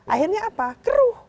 akhirnya apa keruh